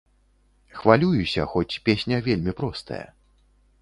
Хвалююся, хоць песня вельмі простая.